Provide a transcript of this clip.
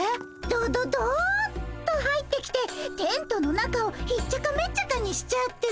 ドドドッと入ってきてテントの中をひっちゃかめっちゃかにしちゃってさ。